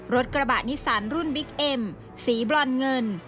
รถกระบะนิสันรุ่นบิ๊กเอ็มสีบรอนเงิน